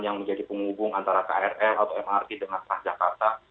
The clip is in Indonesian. yang menjadi penghubung antara krl atau mrt dengan transjakarta